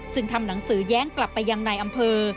ทำหนังสือแย้งกลับไปยังนายอำเภอ